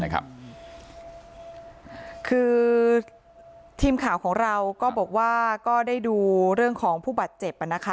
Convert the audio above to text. คือทีมข่าวของเราก็บอกว่าก็ได้ดูเรื่องของผู้บาดเจ็บ